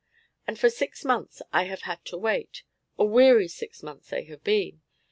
And for six months I have had to wait; a weary six months they have been.